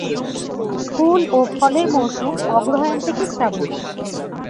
ফুল ও ফলের মৌসুম অগ্রহায়ণ থেকে শ্রাবণ।